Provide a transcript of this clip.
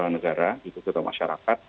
negara gitu atau masyarakat